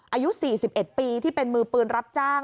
อายุ๔๑ปีที่เป็นมือปืนรับจ้าง